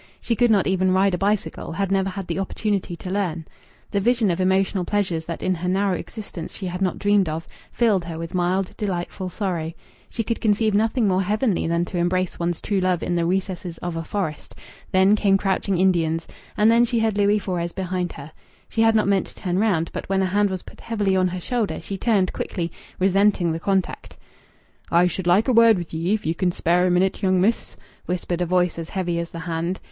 She could not even ride a bicycle, had never had the opportunity to learn. The vision of emotional pleasures that in her narrow existence she had not dreamed of filled her with mild, delightful sorrow. She could conceive nothing more heavenly than to embrace one's true love in the recesses of a forest.... Then came crouching Indians.... And then she heard Louis Fores behind her. She had not meant to turn round, but when a hand was put heavily on her shoulder she turned quickly, resenting the contact. "I should like a word with ye, if ye can spare a minute, young miss," whispered a voice as heavy as the hand.